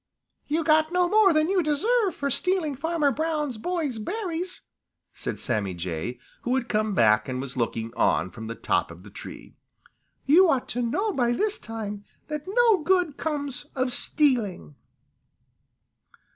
"You got no more than you deserve for stealing Farmer Brown's boy's berries," said Sammy Jay, who had come back and was looking on from the top of a tree. "You ought to know by this time that no good comes of stealing."